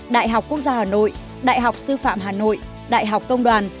đại học quốc gia hà nội đại học sư phạm hà nội đại học công đoàn